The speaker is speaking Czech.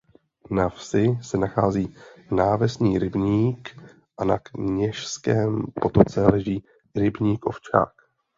Na návsi se nachází Návesní rybník a na Kněžském potoce leží rybník Ovčák.